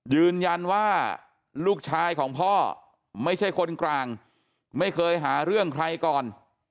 ยืนยันว่าลูกชายของพ่อไม่ใช่คนกลางไม่เคยหาเรื่องใครก่อน